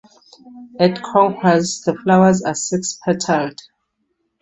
At Conques the flowers are six-petalled.